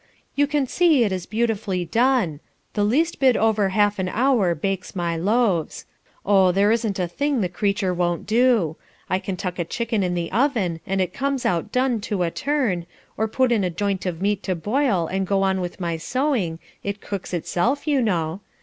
"You can see it is beautifully done; the least bit over half an hour bakes my loaves. Oh, there isn't a thing the creature won't do. I can tuck a chicken in the oven and it comes out done to a turn, or put in a joint of meat to boil and go on with my sewing, it cooks itself, you know.